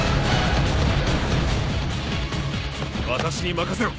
私に任せろ。